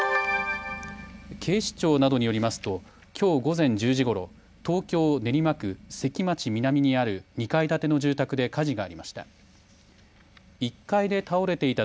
警視庁などによりますときょう午前１０時ごろ東京・練馬区関町南にある２階建ての住宅で火事がありました。